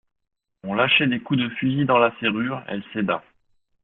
On lâchait des coups de fusil dans la serrure: elle céda.